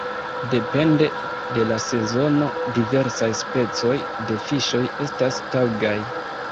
Depende de la sezono diversaj specoj de fiŝoj estas taŭgaj.